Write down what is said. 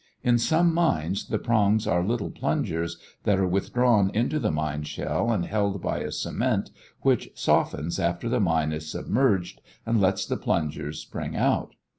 In some mines the prongs are little plungers that are withdrawn into the mine shell and held by a cement which softens after the mine is submerged and lets the plungers spring out.